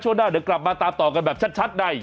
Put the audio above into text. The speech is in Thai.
หน้าเดี๋ยวกลับมาตามต่อกันแบบชัดใน